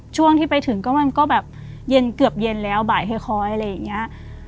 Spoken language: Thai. ช่วงที่ไปถึงก็มันก็แบบเย็นเกือบเย็นแล้วบ่ายค่อยอะไรอย่างนี้